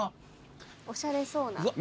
おしゃれそうな。